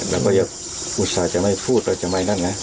แล้วก็ยอมอุตส่าห์จะไม่พูดแล้วจะไม่นั่นนะ